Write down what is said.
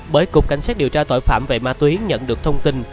bởi cục cảnh sát điều tra tội phạm về ma túy nhận được thông tin